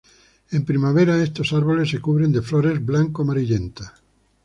En primavera estos árboles se cubren de flores blanco-amarillentas.